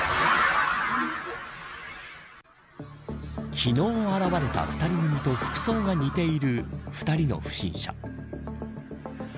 昨日、現れた２人組と服装が似ている２人の不審者。